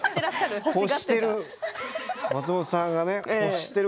欲している。